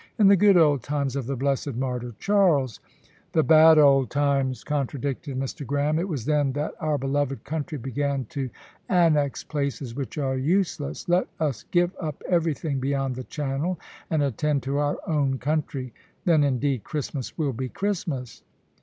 In the good old times of the blessed martyr Charles " "The bad old times," contradicted Mr. Graham; "it was then that our beloved country began to annex places which are useless. Let us give up everything beyond the Channel, and attend to our own country. Then, indeed, Christmas will be Christmas."